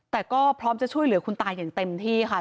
แต่ก็พร้อมจะช่วยเหลือคุณตาอย่างเต็มที่ค่ะ